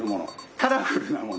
カラフルなもの。